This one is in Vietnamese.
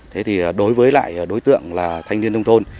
thế thì đối với lại đối tượng là thanh niên nông thôn